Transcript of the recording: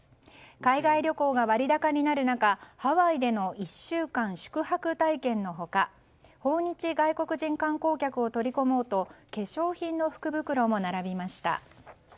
海外旅行が割高になる中ハワイでの１週間宿泊体験の他訪日外国人観光客を取り込もうと化粧品の福袋も並びました。